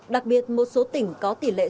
đặc biệt một số tỉnh có tỷ lệ